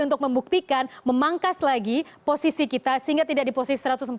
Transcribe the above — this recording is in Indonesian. untuk membuktikan memangkas lagi posisi kita sehingga tidak di posisi satu ratus empat puluh